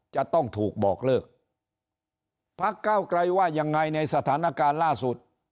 จะต้องถูกบอกเลิกพักเก้าไกลว่ายังไงในสถานการณ์ล่าสุด